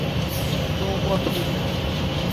na ụgwọ mmiri